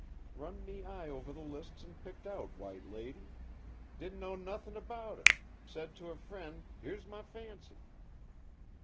Run me eye over the lists and picked out 'White Lady.' Didn't know nothin' abaht her, said to a fren', 'here's my fancy.